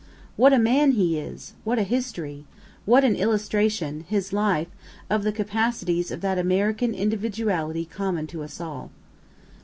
What a man he is! what a history! what an illustration his life of the capacities of that American individuality common to us all.